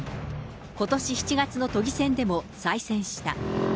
ことし７月の都議選でも再選した。